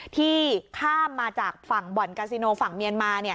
ที่ข้ามมาจากฝั่งบ่อนกาซิโนฝั่งเมียนมา